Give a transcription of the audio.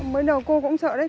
mới đầu cô cũng sợ đấy